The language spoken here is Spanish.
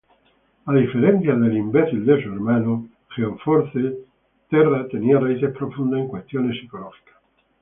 A diferencia de su heroico hermano, Geo-Force, Terra tenía raíces profundas en cuestiones psicológicas.